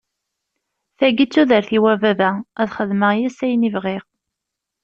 Taki d tudert-iw a baba ad xedmeɣ yis-s ayen i bɣiɣ.